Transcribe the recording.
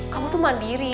kamu tuh mandiri